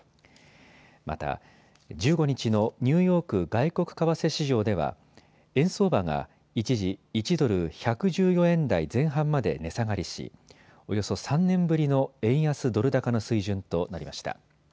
また１５日のニューヨーク外国為替市場では円相場が一時、１ドル１１４円台前半まで値下がりし、およそ３年ぶりの円安ドル高の水準となりました。